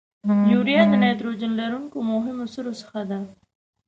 یوریا د نایتروجن لرونکو مهمو سرو څخه ده.